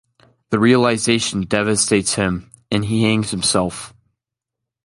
The realization devastates him, and he hangs himself.